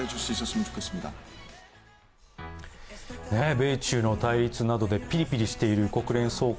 米中の対立などでピリピリしている国連総会。